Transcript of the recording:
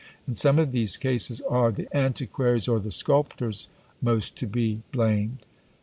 _ In some of these cases, are the antiquaries or the sculptors most to be blamed?